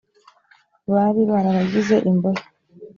bari barabagize imbohe .